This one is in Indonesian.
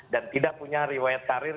dan tidak punya riwayat karir